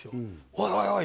「おいおいおい」